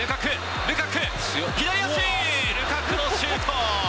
ルカクのシュート。